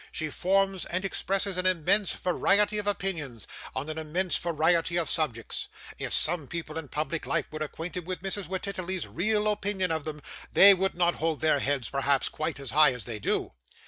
She forms and expresses an immense variety of opinions on an immense variety of subjects. If some people in public life were acquainted with Mrs Wititterly's real opinion of them, they would not hold their heads, perhaps, quite as high as they do.